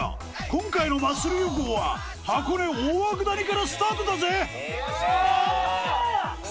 今回のマッスル旅行は箱根・大涌谷からスタートだぜおぉ！